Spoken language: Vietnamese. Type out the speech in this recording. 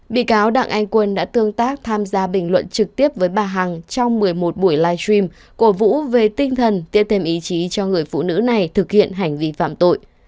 bị cáo đặng anh quân đã tương tác tham gia bình luận trực tiếp với bà hằng trong một mươi một buổi live stream cổ vũ về tinh thần tiếp thêm ý chí cho người phụ nữ này thực hiện hành vi phạm tội